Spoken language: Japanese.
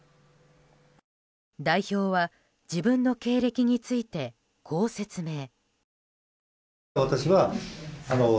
代表は自分の経歴についてこう説明。